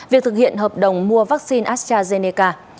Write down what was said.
việc thực hiện hợp đồng mua vaccine astrazeneca